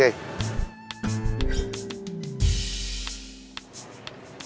dapet kerjaan lagi